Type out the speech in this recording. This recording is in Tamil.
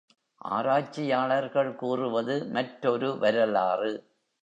ஆராய்ச்சியாளர்கள் கூறுவது மற்றொரு வரலாறு.